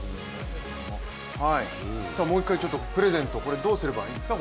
もう一回プレゼント、これどうすればいいですか？